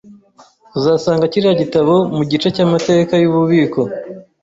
Uzasanga kiriya gitabo mugice cyamateka yububiko.